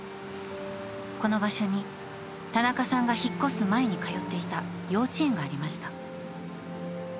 この場所に、田中さんが引っ越す前に通っていた幼稚園がありました。